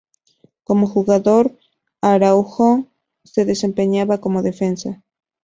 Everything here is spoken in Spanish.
Como jugador, Araújo se desempeñaba como defensa.